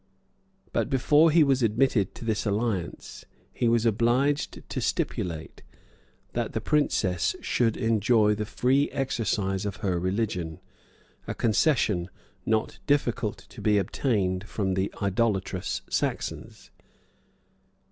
] But before he was admitted to this alliance, he was obliged to stipulate, that the princess should enjoy the free exercise of her religion; a concession not difficult to be obtained from the idolatrous Saxons.